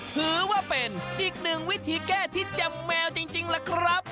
หรือว่าเป็นนิดนึงวิธีแค้ที่จะแมวจริงล่ะครับ